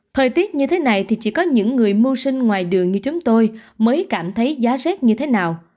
thời tiết như thế này thì chỉ có những người mưu sinh ngoài đường như chúng tôi mới cảm thấy giá rét như thế nào